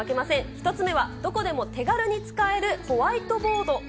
１つ目はどこでも手軽に使えるホワイトボード。